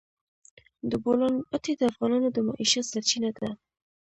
د بولان پټي د افغانانو د معیشت سرچینه ده.